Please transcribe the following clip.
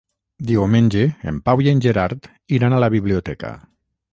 Diumenge en Pau i en Gerard iran a la biblioteca.